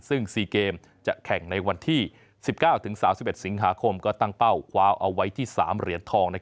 ซึ่ง๔เกมจะแข่งในวันที่๑๙๓๑สิงหาคมก็ตั้งเป้าคว้าเอาไว้ที่๓เหรียญทอง